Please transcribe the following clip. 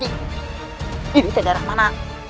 ini tidak ada mana